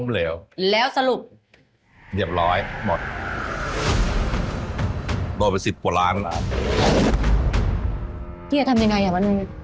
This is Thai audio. เฮียทำยังไงครับวันนี้